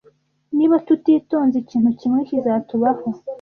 Niba tutitonze, ikintu kimwe kizatubaho.